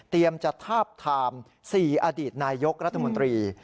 เตรียมจัดทาบทาม๔อดีตนายยกรัฐมนตรี